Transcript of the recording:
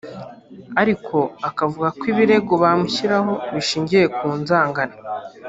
ariko akavuga ko ibirego bamushyiraho bishingiye ku nzangano